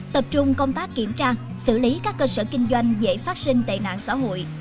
tập trung công tác kiểm tra xử lý các cơ sở kinh doanh dễ phát sinh tệ nạn xã hội